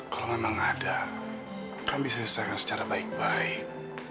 kalau memang ada kami bisa selesaikan secara baik baik